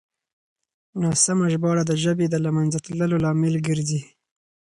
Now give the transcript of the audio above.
ناسمه ژباړه د ژبې د له منځه تللو لامل ګرځي.